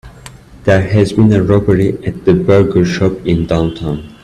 There has been a robbery at the burger shop in downtown.